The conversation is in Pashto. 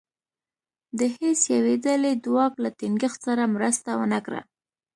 د هېڅ یوې ډلې دواک له ټینګښت سره مرسته ونه کړه.